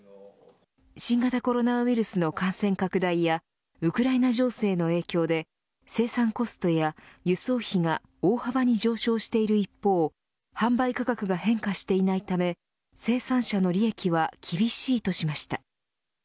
新型コロナウイルスの感染拡大やウクライナ情勢の影響で生産コストや輸送費が大幅に上昇している一方販売価格が変化していないため生産者の利益は厳しいとしました。